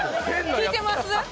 効いてます？